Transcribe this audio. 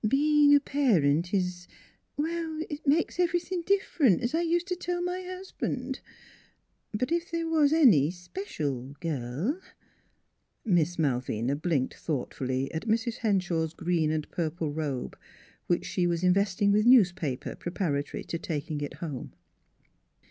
" Being a parent is well, it makes every thing different, as I used to tell my husband. ... But if there was any special girl " Miss Malvina blinked thoughtfully at Mrs. Henshaw's green and purple robe, which she was investing with newspaper, preparatory to taking it home.